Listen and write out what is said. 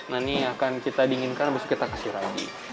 nah ini akan kita dinginkan abis itu kita kasih ragi